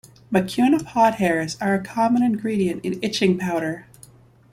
"Mucuna" pod hairs are a common ingredient in itching powder.